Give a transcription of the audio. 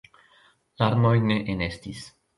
Larmoj ne enestis.